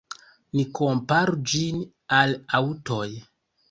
Ni komparu ĝin al aŭtoj.